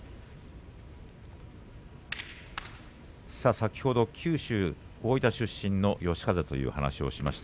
先ほど、九州、大分出身の嘉風の話をしました。